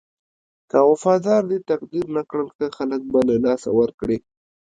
که وفادار دې تقدير نه کړل ښه خلک به له لاسه ورکړې.